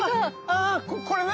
あこれね。